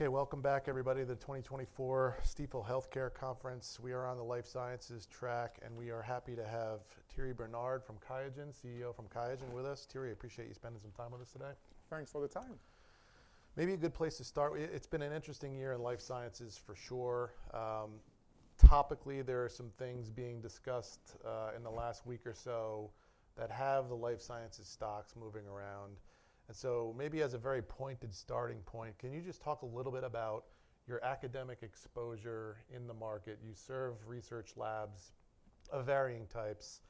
Okay, welcome back, everybody, to the 2024 Stifel Healthcare Conference. We are on the life sciences track, and we are happy to have Thierry Bernard from QIAGEN, CEO from QIAGEN, with us. Thierry, I appreciate you spending some time with us today. Thanks for the time. Maybe a good place to start with, it's been an interesting year in life sciences for sure. Topically, there are some things being discussed in the last week or so that have the life sciences stocks moving around, and so maybe as a very pointed starting point, can you just talk a little bit about your academic exposure in the market? You serve research labs of varying types,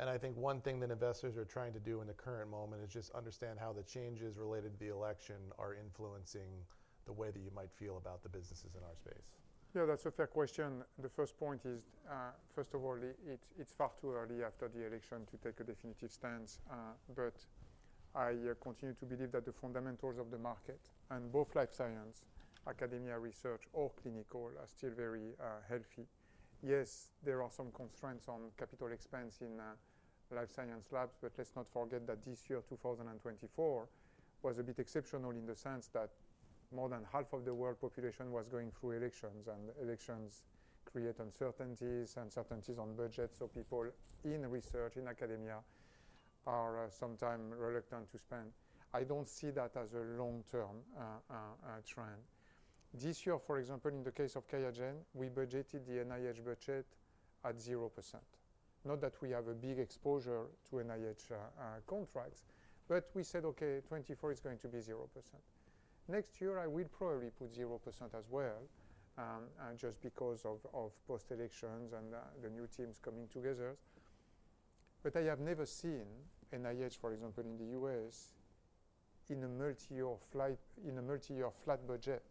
and I think one thing that investors are trying to do in the current moment is just understand how the changes related to the election are influencing the way that you might feel about the businesses in our space. Yeah, that's a fair question. The first point is, first of all, it's far too early after the election to take a definitive stance. But I continue to believe that the fundamentals of the market, and both life science, academia research, or clinical, are still very healthy. Yes, there are some constraints on capital expense in life science labs, but let's not forget that this year, 2024, was a bit exceptional in the sense that more than half of the world population was going through elections, and elections create uncertainties on budgets, so people in research, in academia, are sometimes reluctant to spend. I don't see that as a long-term trend. This year, for example, in the case of QIAGEN, we budgeted the NIH budget at 0%. Not that we have a big exposure to NIH contracts, but we said, okay, 2024 is going to be 0%. Next year, I will probably put 0% as well, just because of post-elections and the new teams coming together. But I have never seen NIH, for example, in the U.S., in a multi-year flat budget.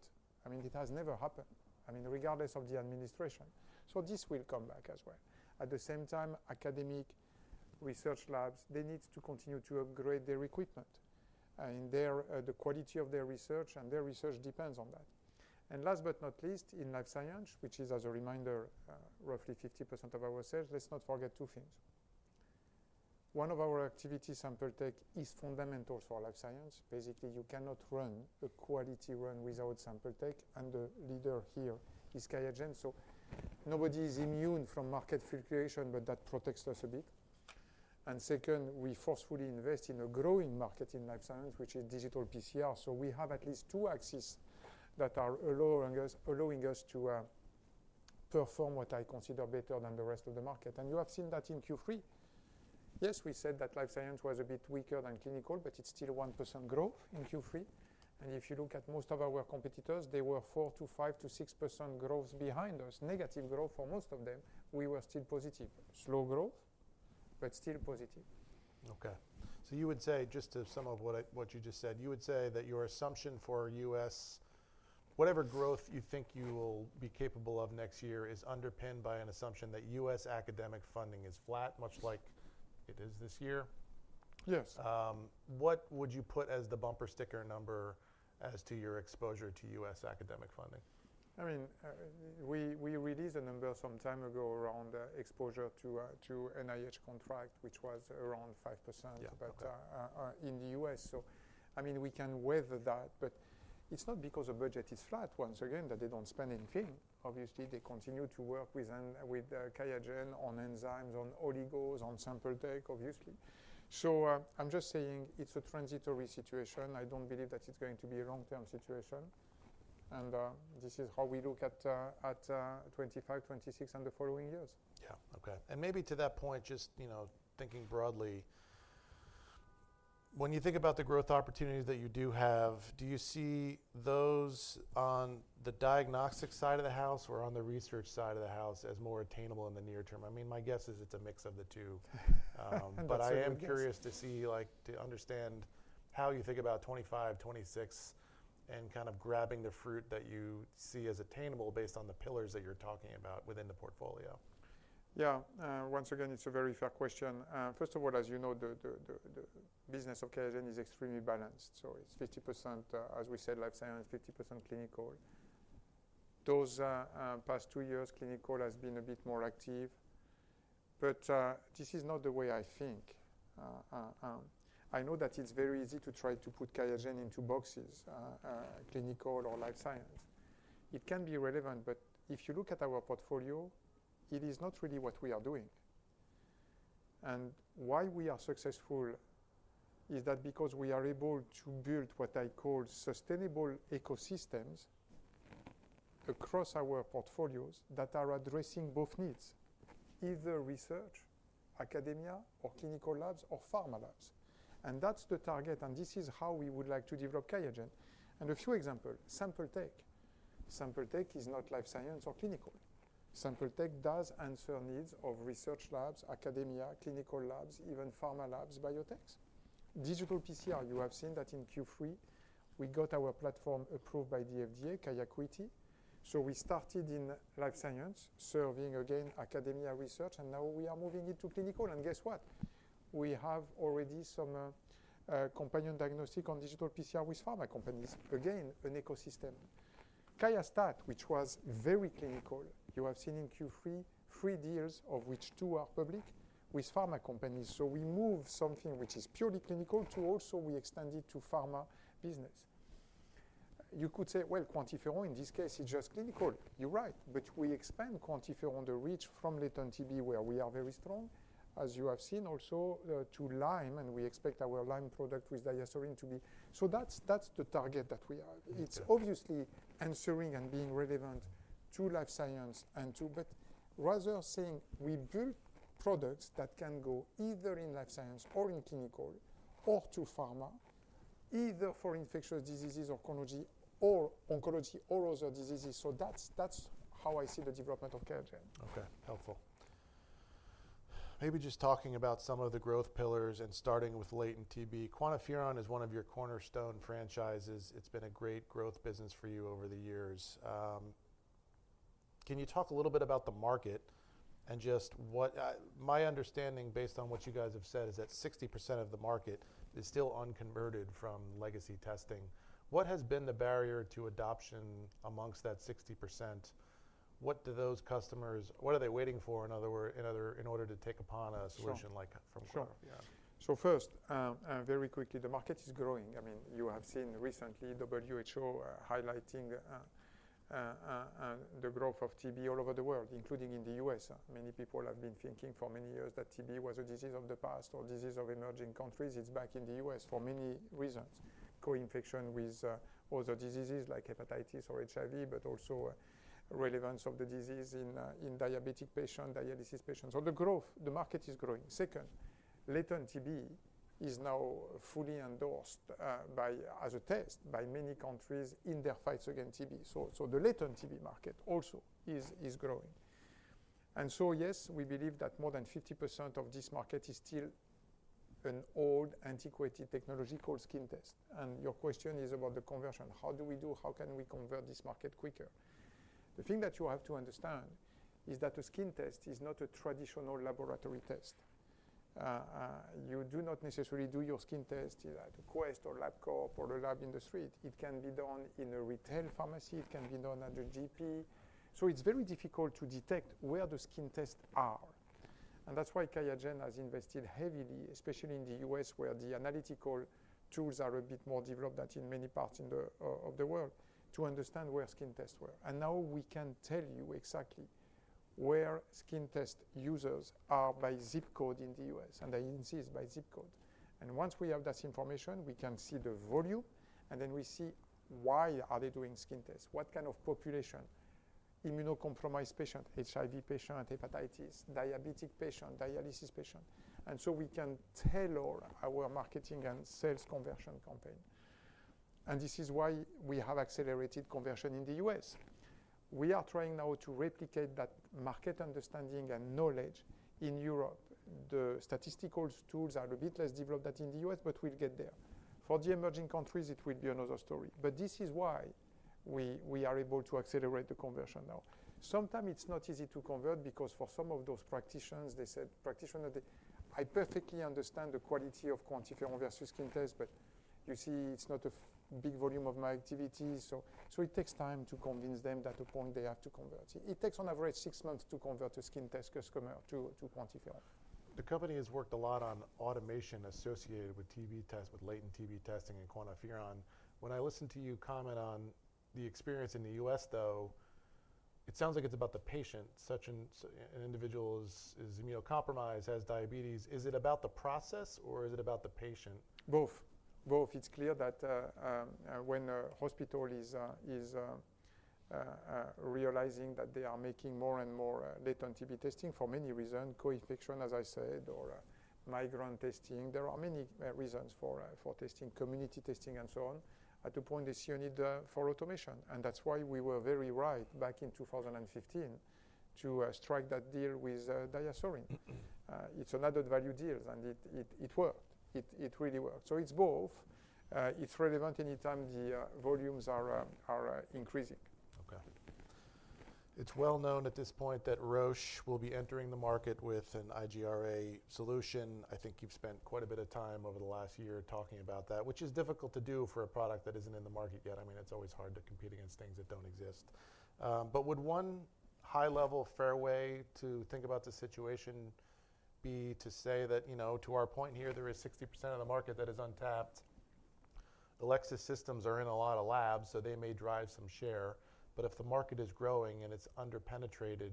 I mean, it has never happened, I mean, regardless of the administration. So this will come back as well. At the same time, academic research labs, they need to continue to upgrade their equipment, and the quality of their research and their research depends on that. And last but not least, in life science, which is, as a reminder, roughly 50% of our sales, let's not forget two things. One of our activities, sample tech, is fundamentals for life science. Basically, you cannot run a quality run without sample tech, and the leader here is QIAGEN, so nobody is immune from market fluctuation, but that protects us a bit. And second, we forcefully invest in a growing market in life science, which is digital PCR, so we have at least two axes that are allowing us to perform what I consider better than the rest of the market. And you have seen that in Q3. Yes, we said that life science was a bit weaker than clinical, but it's still 1% growth in Q3. And if you look at most of our competitors, they were 4% to 5% to 6% growth behind us, negative growth for most of them. We were still positive, slow growth, but still positive. Okay. So you would say, just to sum up what you just said, you would say that your assumption for U.S., whatever growth you think you will be capable of next year is underpinned by an assumption that U.S. academic funding is flat, much like it is this year. Yes. What would you put as the bumper sticker number as to your exposure to U.S. academic funding? I mean, we released a number some time ago around exposure to NIH contract, which was around 5% in the U.S. So I mean, we can weather that, but it's not because the budget is flat, once again, that they don't spend anything. Obviously, they continue to work with QIAGEN on enzymes, on oligos, on sample tech, obviously. So I'm just saying it's a transitory situation. I don't believe that it's going to be a long-term situation. And this is how we look at 2025, 2026, and the following years. Yeah, okay. And maybe to that point, just thinking broadly, when you think about the growth opportunities that you do have, do you see those on the diagnostic side of the house or on the research side of the house as more attainable in the near term? I mean, my guess is it's a mix of the two. That's a good question. But I am curious to see, to understand how you think about 2025, 2026, and kind of grabbing the fruit that you see as attainable based on the pillars that you're talking about within the portfolio. Yeah, once again, it's a very fair question. First of all, as you know, the business of QIAGEN is extremely balanced. So it's 50%, as we said, life science, 50% clinical. The past two years, clinical has been a bit more active. But this is not the way I think. I know that it's very easy to try to put QIAGEN into boxes, clinical or life science. It can be relevant, but if you look at our portfolio, it is not really what we are doing. Why we are successful is that because we are able to build what I call sustainable ecosystems across our portfolios that are addressing both needs, either research, academia, or clinical labs or pharma labs. That's the target, and this is how we would like to develop QIAGEN. A few examples, sample tech. sample tech is not life science or clinical. Sample tech does answer needs of research labs, academia, clinical labs, even pharma labs, biotechs. Digital PCR, you have seen that in Q3, we got our platform approved by the FDA, QIAcuity. So we started in life science, serving again academia research, and now we are moving into clinical. And guess what? We have already some companion diagnostic on digital PCR with pharma companies, again, an ecosystem. QIAstat, which was very clinical, you have seen in Q3, three deals, of which two are public, with pharma companies. So we moved something which is purely clinical to also we extended to pharma business. You could say, well, QuantiFERON, in this case, is just clinical. You're right, but we expand QuantiFERON to reach from latent TB, where we are very strong, as you have seen also, to Lyme, and we expect our Lyme product with DiaSorin to be. So that's the target that we have. It's obviously answering and being relevant to life science and to, but rather saying we build products that can go either in life science or in clinical or to pharma, either for infectious diseases or oncology or other diseases. So that's how I see the development of QIAGEN. Okay, helpful. Maybe just talking about some of the growth pillars and starting with latent TB, QuantiFERON is one of your cornerstone franchises. It's been a great growth business for you over the years. Can you talk a little bit about the market and just what my understanding based on what you guys have said is that 60% of the market is still unconverted from legacy testing. What has been the barrier to adoption amongst that 60%? What do those customers, what are they waiting for in order to take upon a solution like from QuantiFERON? Sure. So first, very quickly, the market is growing. I mean, you have seen recently WHO highlighting the growth of TB all over the world, including in the U.S. Many people have been thinking for many years that TB was a disease of the past or disease of emerging countries. It's back in the U.S. for many reasons, co-infection with other diseases like hepatitis or HIV, but also relevance of the disease in diabetic patients, dialysis patients. So the growth, the market is growing. Second, latent TB is now fully endorsed as a test by many countries in their fights against TB. So the latent TB market also is growing. And so yes, we believe that more than 50% of this market is still an old, antiquated technology called skin test. And your question is about the conversion. How do we do? How can we convert this market quicker? The thing that you have to understand is that a skin test is not a traditional laboratory test. You do not necessarily do your skin test at Quest or Labcorp or a lab in the street. It can be done in a retail pharmacy. It can be done at a GP. So it's very difficult to detect where the skin tests are. And that's why QIAGEN has invested heavily, especially in the U.S., where the analytical tools are a bit more developed than in many parts of the world, to understand where skin tests were. And now we can tell you exactly where skin test users are by zip code in the U.S. And the usage is by zip code. Once we have that information, we can see the volume, and then we see why they are doing skin tests, what kind of population, immunocompromised patients, HIV patients, hepatitis, diabetic patients, dialysis patients. So we can tailor our marketing and sales conversion campaign. This is why we have accelerated conversion in the U.S. We are trying now to replicate that market understanding and knowledge in Europe. The statistical tools are a bit less developed than in the U.S., but we'll get there. For the emerging countries, it will be another story. This is why we are able to accelerate the conversion now. Sometimes it's not easy to convert because for some of those practitioners, they said, practitioners, I perfectly understand the quality of QuantiFERON versus skin tests, but you see, it's not a big volume of my activity. So it takes time to convince them that the point they have to convert. It takes on average six months to convert a skin test customer to QuantiFERON. The company has worked a lot on automation associated with TB tests, with latent TB testing and QuantiFERON. When I listen to you comment on the experience in the U.S., though, it sounds like it's about the patient. Such an individual is immunocompromised, has diabetes. Is it about the process, or is it about the patient? Both. Both. It's clear that when a hospital is realizing that they are making more and more latent TB testing for many reasons, co-infection, as I said, or migrant testing, there are many reasons for testing, community testing, and so on, at the point they see a need for automation. And that's why we were very right back in 2015 to strike that deal with DiaSorin. It's an added value deal, and it worked. It really worked. So it's both. It's relevant anytime the volumes are increasing. Okay. It's well known at this point that Roche will be entering the market with an IGRA solution. I think you've spent quite a bit of time over the last year talking about that, which is difficult to do for a product that isn't in the market yet. I mean, it's always hard to compete against things that don't exist. But would one high-level fair way to think about the situation be to say that, you know, to our point here, there is 60% of the market that is untapped? The legacy systems are in a lot of labs, so they may drive some share. But if the market is growing and it's underpenetrated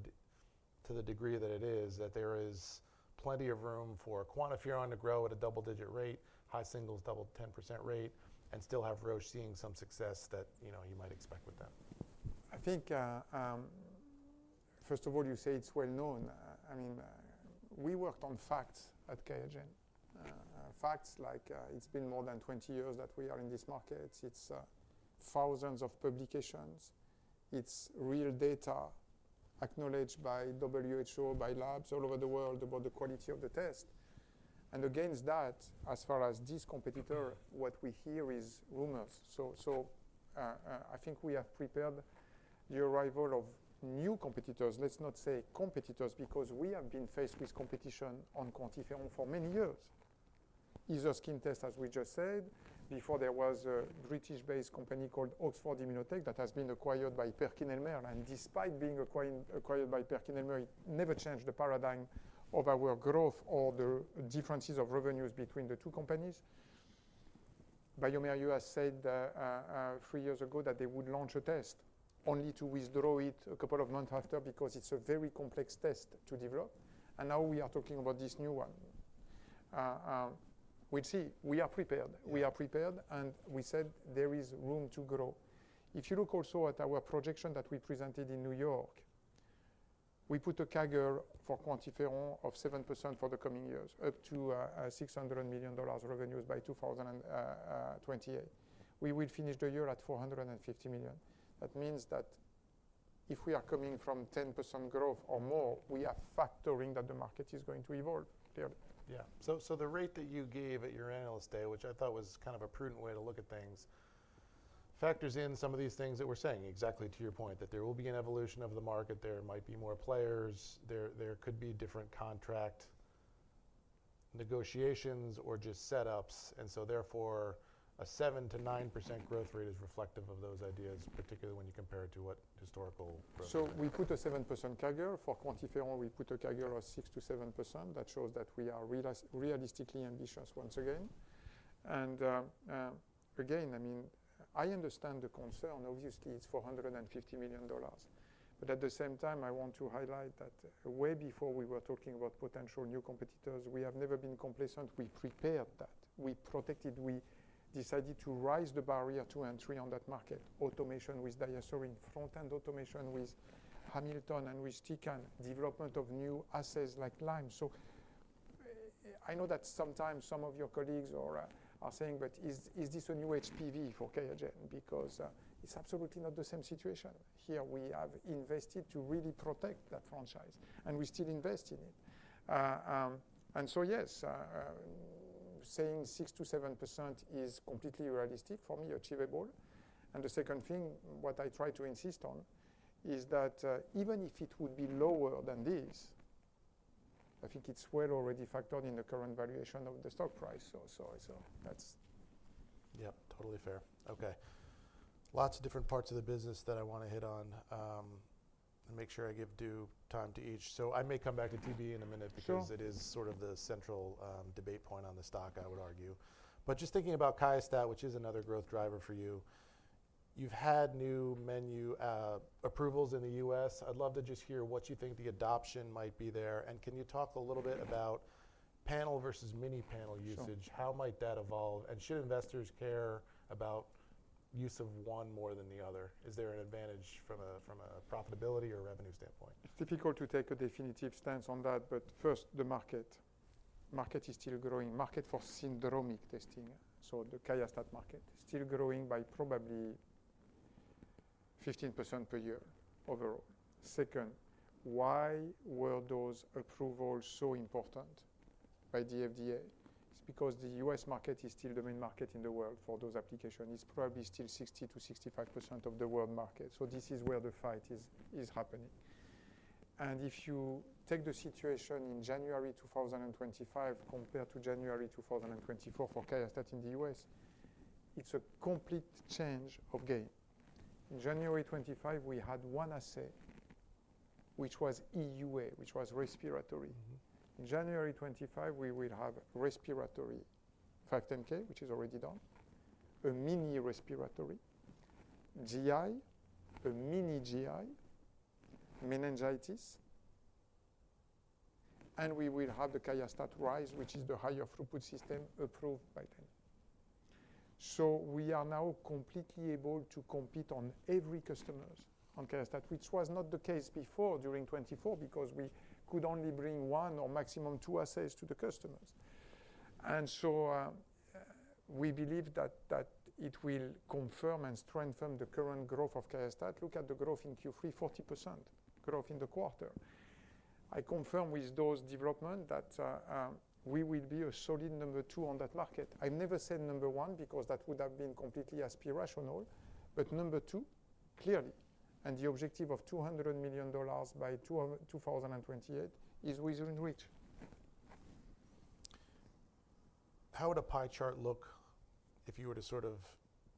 to the degree that it is, that there is plenty of room for QuantiFERON to grow at a double-digit rate, high singles double 10% rate, and still have Roche seeing some success that, you know, you might expect with them. I think, first of all, you say it's well known. I mean, we worked on facts at QIAGEN. Facts like it's been more than 20 years that we are in this market. It's thousands of publications. It's real data acknowledged by WHO, by labs all over the world about the quality of the test. And against that, as far as this competitor, what we hear is rumors. So I think we have prepared the arrival of new competitors. Let's not say competitors because we have been faced with competition on QuantiFERON for many years. It's a skin test, as we just said, before there was a British-based company called Oxford Immunotec that has been acquired by PerkinElmer. And despite being acquired by PerkinElmer, it never changed the paradigm of our growth or the differences of revenues between the two companies. bioMérieux has said three years ago that they would launch a test only to withdraw it a couple of months after because it's a very complex test to develop, and now we are talking about this new one. We'll see. We are prepared. We are prepared, and we said there is room to grow. If you look also at our projection that we presented in New York, we put a CAGR for QuantiFERON of 7% for the coming years, up to $600 million revenues by 2028. We will finish the year at $450 million. That means that if we are coming from 10% growth or more, we are factoring that the market is going to evolve, clearly. Yeah. So the rate that you gave at your analyst day, which I thought was kind of a prudent way to look at things, factors in some of these things that we're saying, exactly to your point, that there will be an evolution of the market. There might be more players. There could be different contract negotiations or just setups. And so therefore, a 7%-9% growth rate is reflective of those ideas, particularly when you compare it to what historical growth. We put a 7% CAGR for QuantiFERON. We put a CAGR of 6%-7%. That shows that we are realistically ambitious, once again. And again, I mean, I understand the concern. Obviously, it's $450 million. But at the same time, I want to highlight that way before we were talking about potential new competitors, we have never been complacent. We prepared that. We protected. We decided to raise the barrier to entry on that market, automation with DiaSorin, front-end automation with Hamilton and with Tecan, development of new assets like Lyme. So I know that sometimes some of your colleagues are saying, but is this a new HPV for QIAGEN? Because it's absolutely not the same situation. Here we have invested to really protect that franchise, and we still invest in it. And so yes, saying 6%-7% is completely realistic for me, achievable. And the second thing, what I try to insist on is that even if it would be lower than this, I think it's well already factored in the current valuation of the stock price. So that's. Yeah, totally fair. Okay. Lots of different parts of the business that I want to hit on and make sure I give due time to each. So I may come back to TB in a minute because it is sort of the central debate point on the stock, I would argue. But just thinking about QIAstat, which is another growth driver for you, you've had new menu approvals in the U.S. I'd love to just hear what you think the adoption might be there. And can you talk a little bit about panel versus mini panel usage? How might that evolve? And should investors care about use of one more than the other? Is there an advantage from a profitability or revenue standpoint? It's difficult to take a definitive stance on that, but first, the market. The market is still growing. The market for syndromic testing, so the QIAstat market is still growing by probably 15% per year overall. Second, why were those approvals so important by the FDA? It's because the U.S. market is still the main market in the world for those applications. It's probably still 60%-65% of the world market. So this is where the fight is happening, and if you take the situation in January 2025 compared to January 2024 for QIAstat in the U.S., it's a complete change of game. In January 2025, we had one asset, which was EUA, which was respiratory. In January 2025, we will have respiratory 510(k), which is already done, a mini respiratory, GI, a mini GI, meningitis, and we will have the QIAstat-Dx Rise, which is the higher throughput system approved by them, so we are now completely able to compete on every customer's on QIAstat-Dx, which was not the case before during 2024 because we could only bring one or maximum two assays to the customers, so we believe that it will confirm and strengthen the current growth of QIAstat-Dx. Look at the growth in Q3, 40% growth in the quarter. I confirm with those developments that we will be a solid number two on that market. I've never said number one because that would have been completely aspirational, but number two, clearly, and the objective of $200 million by 2028 is within reach. How would a pie chart look if you were to sort of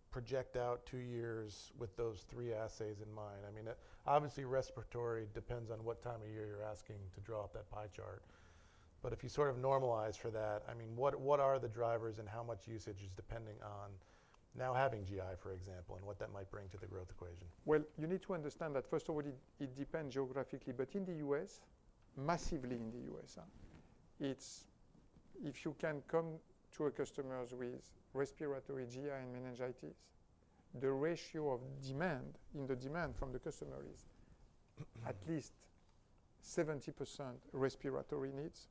project out two years with those three assays in mind? I mean, obviously, respiratory depends on what time of year you're asking to draw up that pie chart. But if you sort of normalize for that, I mean, what are the drivers and how much usage is depending on now having GI, for example, and what that might bring to the growth equation? You need to understand that first of all, it depends geographically. But in the U.S., massively in the U.S., if you can come to a customer with respiratory, GI, and meningitis, the ratio of demand in the demand from the customer is at least 70% respiratory needs,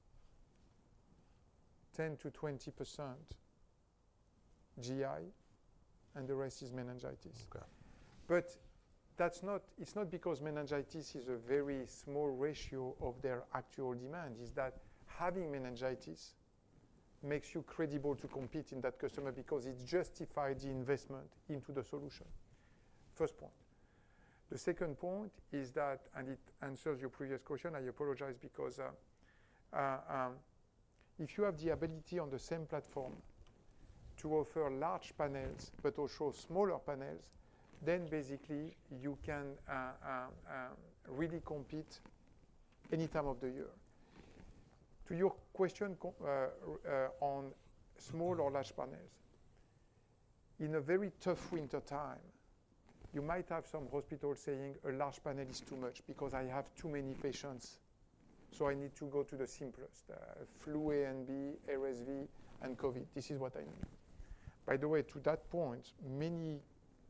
10%-20% GI, and the rest is meningitis. But it's not because meningitis is a very small ratio of their actual demand. It's that having meningitis makes you credible to compete in that customer because it justifies the investment into the solution. First point. The second point is that, and it answers your previous question, I apologize because if you have the ability on the same platform to offer large panels, but also smaller panels, then basically you can really compete any time of the year. To your question on small or large panels, in a very tough wintertime, you might have some hospitals saying a large panel is too much because I have too many patients, so I need to go to the simplest, flu A and B, RSV, and COVID. This is what I need. By the way, to that point, many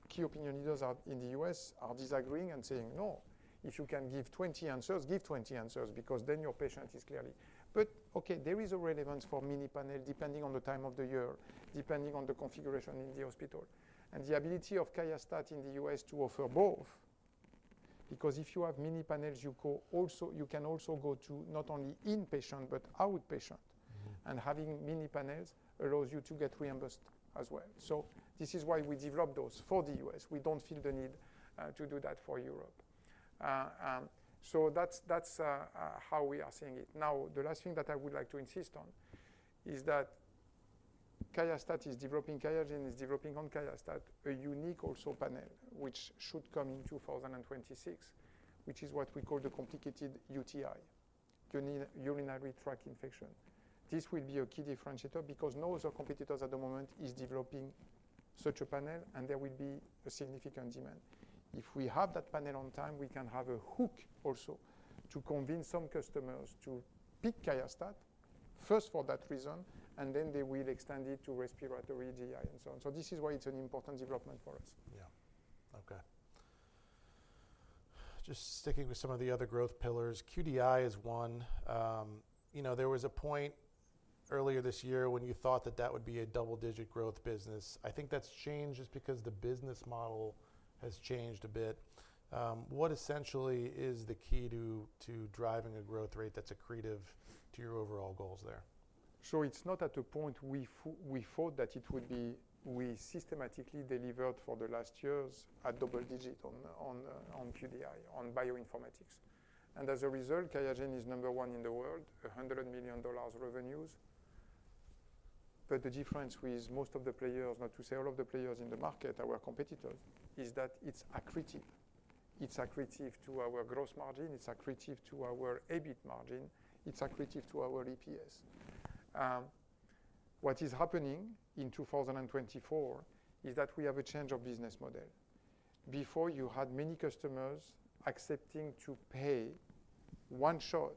key opinion leaders in the U.S. are disagreeing and saying, no, if you can give 20 answers, give 20 answers because then your patient is clearly. But okay, there is a relevance for mini panel depending on the time of the year, depending on the configuration in the hospital. And the ability of QIAstat-Dx in the U.S. to offer both, because if you have mini panels, you can also go to not only inpatient, but outpatient. And having mini panels allows you to get reimbursed as well. So this is why we developed those for the US. We don't feel the need to do that for Europe. So that's how we are seeing it. Now, the last thing that I would like to insist on is that QIAstat is developing, QIAGEN is developing on QIAstat a unique also panel, which should come in 2026, which is what we call the complicated UTI, urinary tract infection. This will be a key differentiator because no other competitor at the moment is developing such a panel, and there will be a significant demand. If we have that panel on time, we can have a hook also to convince some customers to pick QIAstat first for that reason, and then they will extend it to respiratory, GI, and so on. So this is why it's an important development for us. Yeah. Okay. Just sticking with some of the other growth pillars, QDI is one. You know, there was a point earlier this year when you thought that that would be a double-digit growth business. I think that's changed just because the business model has changed a bit. What essentially is the key to driving a growth rate that's accretive to your overall goals there? So it's not at a point we thought that it would be. We systematically delivered for the last years a double digit on QDI, on bioinformatics. And as a result, QIAGEN is number one in the world, $100 million revenues. But the difference with most of the players, not to say all of the players in the market, our competitors, is that it's accretive. It's accretive to our gross margin. It's accretive to our EBIT margin. It's accretive to our EPS. What is happening in 2024 is that we have a change of business model. Before, you had many customers accepting to pay one shot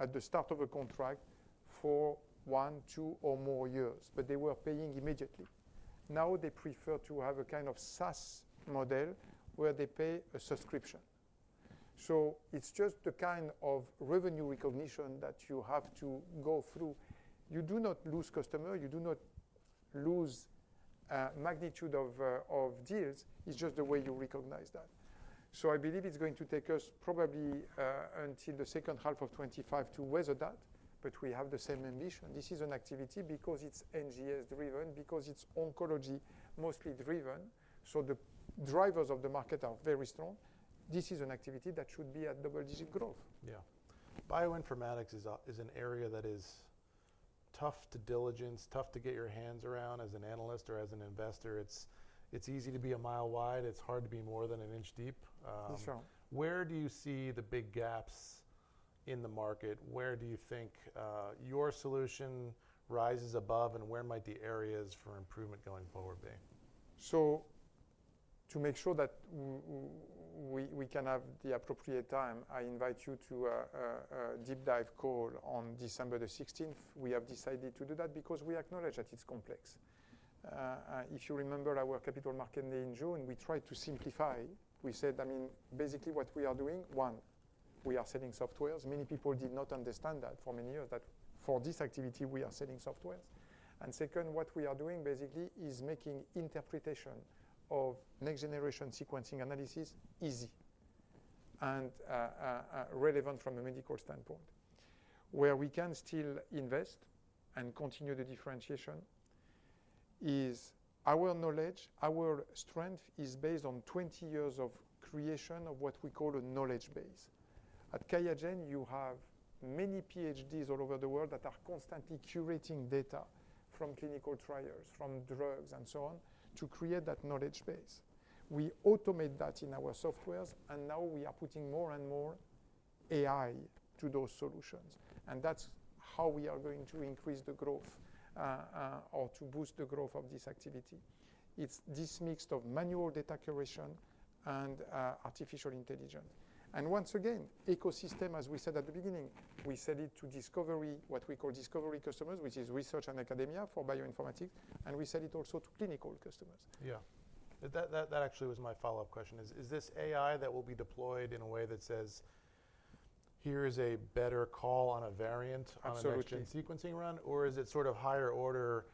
at the start of a contract for one, two, or more years, but they were paying immediately. Now they prefer to have a kind of SaaS model where they pay a subscription. It's just the kind of revenue recognition that you have to go through. You do not lose customer. You do not lose magnitude of deals. It's just the way you recognize that. I believe it's going to take us probably until the second half of 2025 to weather that, but we have the same ambition. This is an activity because it's NGS-driven, because it's oncology mostly driven. The drivers of the market are very strong. This is an activity that should be at double-digit growth. Yeah. Bioinformatics is an area that is tough to diligence, tough to get your hands around as an analyst or as an investor. It's easy to be a mile wide. It's hard to be more than an inch deep. Where do you see the big gaps in the market? Where do you think your solution rises above, and where might the areas for improvement going forward be? So to make sure that we can have the appropriate time, I invite you to a deep dive call on December the 16th. We have decided to do that because we acknowledge that it's complex. If you remember our capital market day in June, we tried to simplify. We said, I mean, basically what we are doing, one, we are selling software. Many people did not understand that for many years that for this activity, we are selling software. And second, what we are doing basically is making interpretation of next-generation sequencing analysis easy and relevant from a medical standpoint. Where we can still invest and continue the differentiation is our knowledge. Our strength is based on 20 years of creation of what we call a knowledge base. At QIAGEN, you have many PhDs all over the world that are constantly curating data from clinical trials, from drugs, and so on to create that knowledge base. We automate that in our softwares, and now we are putting more and more AI to those solutions. And that's how we are going to increase the growth or to boost the growth of this activity. It's this mix of manual data curation and artificial intelligence. And once again, ecosystem, as we said at the beginning, we sell it to discovery, what we call discovery customers, which is research and academia for bioinformatics, and we sell it also to clinical customers. Yeah. That actually was my follow-up question. Is this AI that will be deployed in a way that says, here is a better call on a variant on a sequencing run, or is it sort of higher order,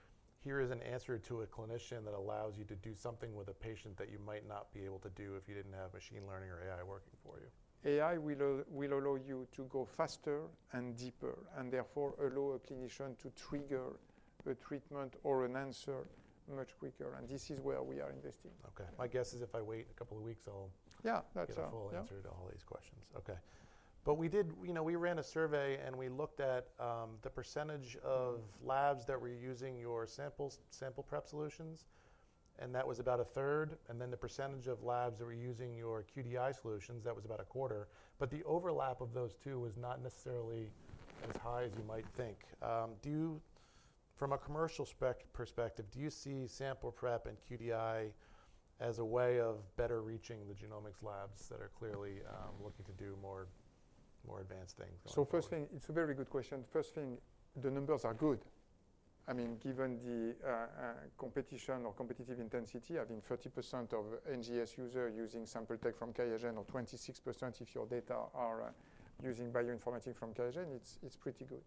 here is an answer to a clinician that allows you to do something with a patient that you might not be able to do if you didn't have machine learning or AI working for you? AI will allow you to go faster and deeper and therefore allow a clinician to trigger a treatment or an answer much quicker, and this is where we are investing. Okay. My guess is if I wait a couple of weeks, I'll get a full answer to all these questions. Okay, but we did, you know, we ran a survey and we looked at the percentage of labs that were using your sample prep solutions, and that was about a third, and then the percentage of labs that were using your QDI solutions, that was about a quarter, but the overlap of those two was not necessarily as high as you might think. From a commercial perspective, do you see sample prep and QDI as a way of better reaching the genomics labs that are clearly looking to do more advanced things? So first thing, it's a very good question. First thing, the numbers are good. I mean, given the competition or competitive intensity, I think 30% of NGS users using sample tech from QIAGEN or 26% if your data are using bioinformatics from QIAGEN, it's pretty good.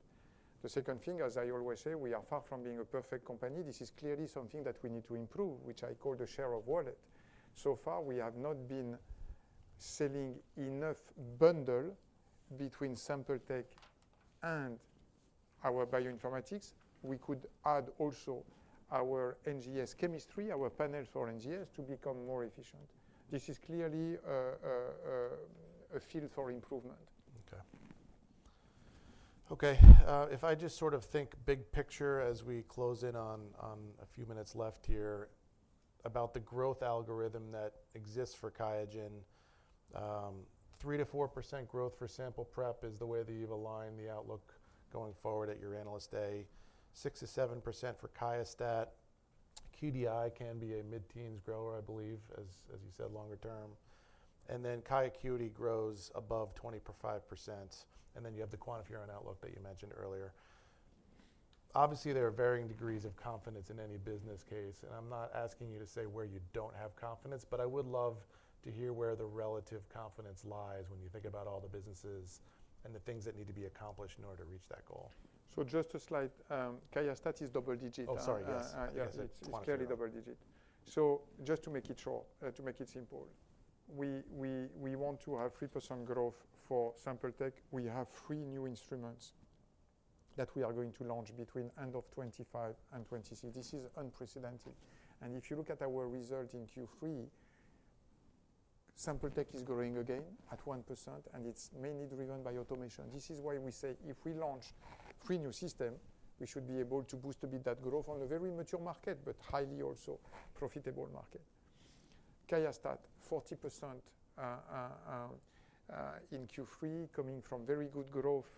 The second thing, as I always say, we are far from being a perfect company. This is clearly something that we need to improve, which I call the share of wallet. So far, we have not been selling enough bundle between sample tech and our bioinformatics. We could add also our NGS chemistry, our panels for NGS to become more efficient. This is clearly a field for improvement. Okay. Okay. If I just sort of think big picture as we close in on a few minutes left here about the growth algorithm that exists for QIAGEN, 3%-4% growth for sample prep is the way that you've aligned the outlook going forward at your analyst day, 6%-7% for QIAstat. QDI can be a mid-teens grower, I believe, as you said, longer term. And then QIAcuity grows above 20% per 5%. And then you have the QuantiFERON and outlook that you mentioned earlier. Obviously, there are varying degrees of confidence in any business case. And I'm not asking you to say where you don't have confidence, but I would love to hear where the relative confidence lies when you think about all the businesses and the things that need to be accomplished in order to reach that goal. So just a slide. QIAstat is double digit. Oh, sorry. Yes. It's clearly double digit. So just to make it simple, we want to have 3% growth for sample tech. We have three new instruments that we are going to launch between end of 2025 and 2026. This is unprecedented. And if you look at our result in Q3, sample tech is growing again at 1%, and it's mainly driven by automation. This is why we say if we launch three new systems, we should be able to boost a bit that growth on a very mature market, but highly also profitable market. QIAstat, 40% in Q3, coming from very good growth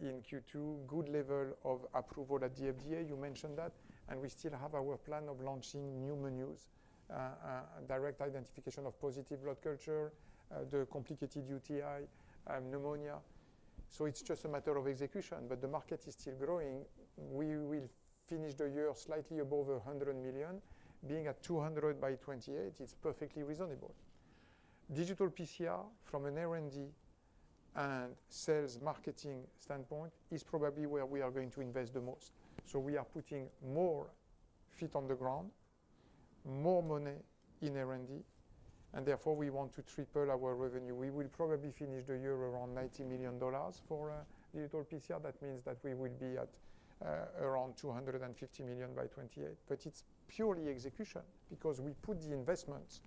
in Q2, good level of approval at FDA. You mentioned that. And we still have our plan of launching new menus, direct identification of positive blood culture, the complicated UTI, pneumonia. So it's just a matter of execution, but the market is still growing. We will finish the year slightly above $100 million. Being at $200 million by 2028, it's perfectly reasonable. Digital PCR from an R&D and sales marketing standpoint is probably where we are going to invest the most. So we are putting more feet on the ground, more money in R&D, and therefore we want to triple our revenue. We will probably finish the year around $90 million for digital PCR. That means that we will be at around $250 million by 2028. But it's purely execution because we put the investment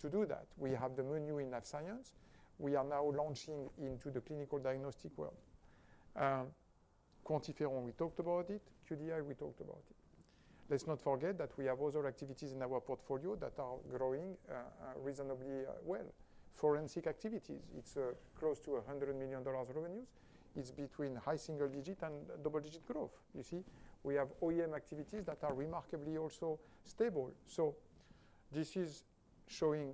to do that. We have the menu in life science. We are now launching into the clinical diagnostic world. QuantiFERON, we talked about it. QDI, we talked about it. Let's not forget that we have other activities in our portfolio that are growing reasonably well. Forensic activities, it's close to $100 million revenues. It's between high single digit and double digit growth. You see, we have OEM activities that are remarkably also stable. So this is showing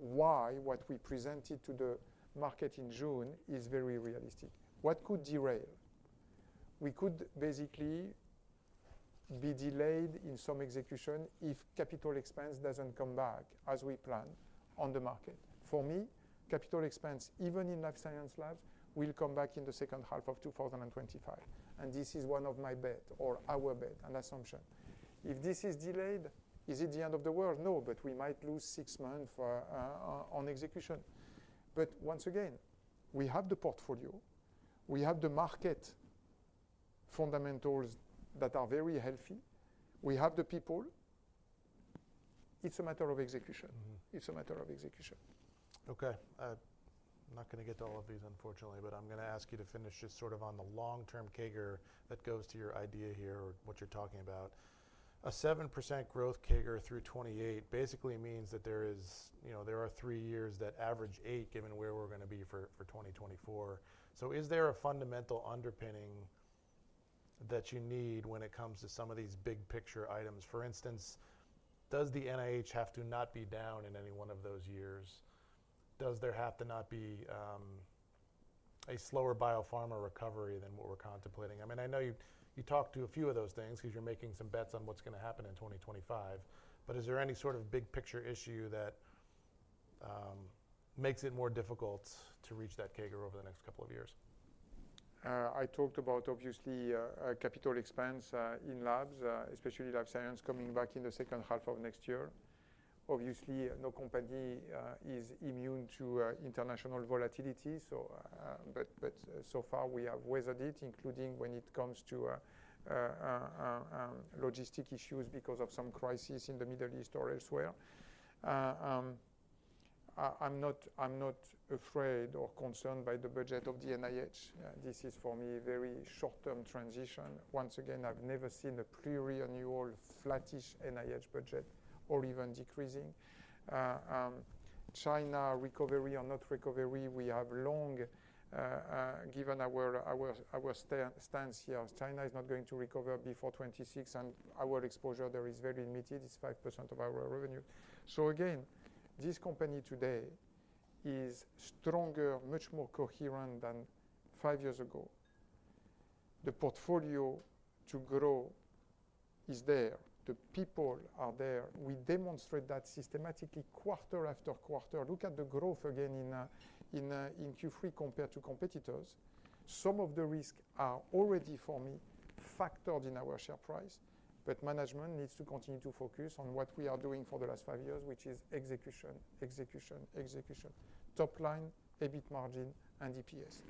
why what we presented to the market in June is very realistic. What could derail? We could basically be delayed in some execution if CapEx doesn't come back as we planned on the market. For me, CapEx, even in life science labs, will come back in the second half of 2025. This is one of my bets or our bet, an assumption. If this is delayed, is it the end of the world? No, but we might lose six months on execution. Once again, we have the portfolio. We have the market fundamentals that are very healthy. We have the people. It's a matter of execution. It's a matter of execution. Okay. I'm not going to get to all of these, unfortunately, but I'm going to ask you to finish just sort of on the long-term CAGR that goes to your idea here or what you're talking about. A 7% growth CAGR through 2028 basically means that there are three years that average eight, given where we're going to be for 2024. So is there a fundamental underpinning that you need when it comes to some of these big picture items? For instance, does the NIH have to not be down in any one of those years? Does there have to not be a slower biopharma recovery than what we're contemplating? I mean, I know you talked to a few of those things because you're making some bets on what's going to happen in 2025, but is there any sort of big picture issue that makes it more difficult to reach that CAGR over the next couple of years? I talked about obviously capital expense in labs, especially life science, coming back in the second half of next year. Obviously, no company is immune to international volatility. But so far, we have weathered it, including when it comes to logistic issues because of some crisis in the Middle East or elsewhere. I'm not afraid or concerned by the budget of the NIH. This is, for me, a very short-term transition. Once again, I've never seen a pre-renewal flattish NIH budget or even decreasing. China recovery or not recovery, we have long given our stance here. China is not going to recover before 2026, and our exposure there is very limited. It's 5% of our revenue. So again, this company today is stronger, much more coherent than five years ago. The portfolio to grow is there. The people are there. We demonstrate that systematically quarter after quarter. Look at the growth again in Q3 compared to competitors. Some of the risks are already, for me, factored in our share price, but management needs to continue to focus on what we are doing for the last five years, which is execution, execution, execution, top line, EBIT margin, and EPS.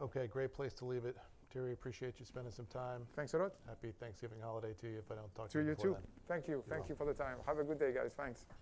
Okay. Great place to leave it. Thierry, appreciate you spending some time. Thanks a lot. Happy Thanksgiving holiday to you if I don't talk to you for a while. To you too. Thank you. Thank you for the time. Have a good day, guys. Thanks.